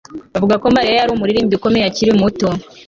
Bavuga ko Mariya yari umuririmbyi ukomeye akiri muto